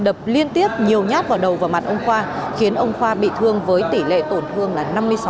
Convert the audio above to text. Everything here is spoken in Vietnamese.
đập liên tiếp nhiều nhát vào đầu và mặt ông khoa khiến ông khoa bị thương với tỷ lệ tổn thương là năm mươi sáu